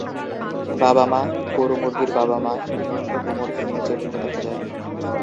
বাবা-মা, গরু-মুরগির বাবা-মা, সাধারণত কোমর থেকে নিচের দিকে দেখা যায়।